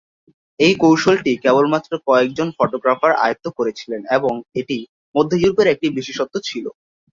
এই কৌশলটি কেবলমাত্র কয়েকজন ফটোগ্রাফার আয়ত্ত করেছিলেন, এবং এটি মধ্য ইউরোপের একটি বিশেষত্ব ছিল।